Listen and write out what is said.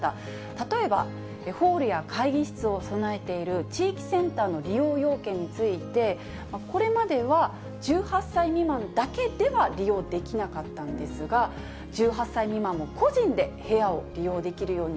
例えば、ホールや会議室を備えている地域センターの利用要件について、これまでは１８歳未満だけでは利用できなかったんですが、１８歳未満も個人で部屋を利用できるように、